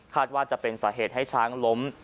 ว่าจะเป็นสาเหตุให้ช้างล้ม